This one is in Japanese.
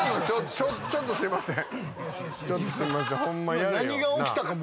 ちょっとすいません。